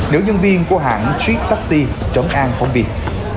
nữ nhân viên của hãng street taxi trấn an phóng viện